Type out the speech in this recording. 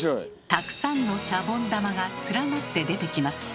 たくさんのシャボン玉が連なって出てきます。